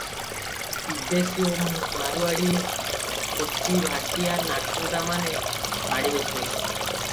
ବିଦେଶୀୟ ମାରୁଆଡି, କଚ୍ଛୀ, ଭାଟିଆ, ନାଖୋଦାମାନେ ମାଡ଼ି ବସିଲେଣି ।